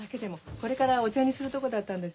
これからお茶にするとこだったんです。